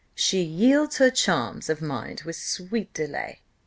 'She yields her charms of mind with sweet delay.